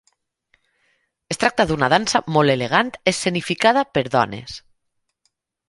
Es tracta d'una dansa molt elegant escenificada per dones.